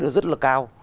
rất là cao